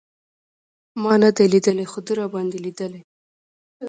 ما نه دی لېدلی خو ده راباندې لېدلی.